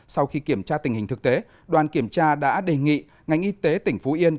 sau khi kiểm tra tình hình thực tế đoàn kiểm tra đã đề nghị ngành y tế tỉnh phú yên